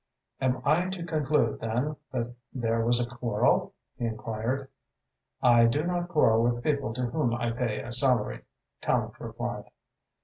"Am I to conclude, then, that there was a quarrel?" he enquired. "I do not quarrel with people to whom I pay a salary," Tallente replied.